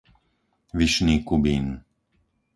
Vyšný Kubín